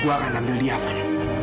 gua akan ambil dia van